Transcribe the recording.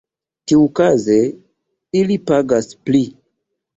Tiukaze ili pagas pli.